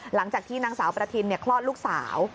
หลังจากที่นางสาวประทินคลอดลูกสาว